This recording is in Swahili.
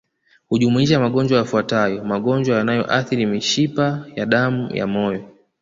Hujumuisha magonjwa yafuatayo magonjwa yanayoathiri mishipa ya damu ya moyo